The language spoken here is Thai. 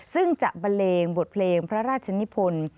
ซึ่งจะบันเลงบทเพลงพระราชนิพล